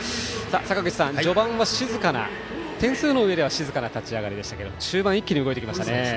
坂口さん、序盤は点数の上では静かな立ち上がりで中盤、一気に動きましたね。